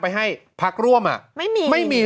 ไปให้ภาคร่วมไม่มี